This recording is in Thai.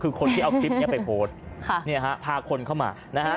คุ้นที่เอาคลิปให้โพสท์เนี่ยฮะพาคนเข้ามานะฮะ